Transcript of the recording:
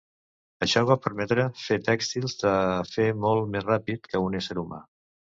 Això va permetre fer tèxtils de fer molt més ràpid que un ésser humà.